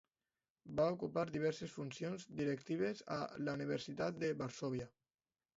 Va ocupar diverses funcions directives a la Universitat de Varsòvia.